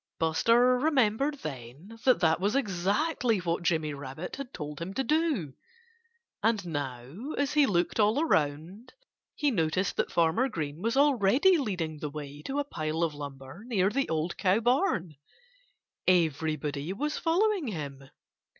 Buster remembered then that that was exactly what Jimmy Rabbit had told him to do. And now, as he looked all around, he noticed that Farmer Green was already leading the way to a pile of lumber near the old cow barn. Everybody was following him.